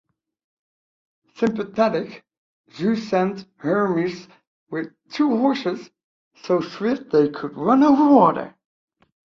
Sympathetic, Zeus sent Hermes with two horses so swift they could run over water.